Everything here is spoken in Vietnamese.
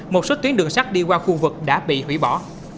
một số tuyến đường sắt đi qua khu vực đã bị hủy bỏ